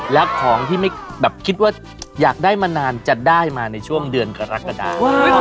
แล้วของที่ไม่แบบคิดว่าอยากได้มานานจะได้มาในช่วงเดือนกรกฎา